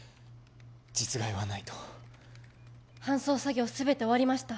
実害はないと搬送作業全て終わりました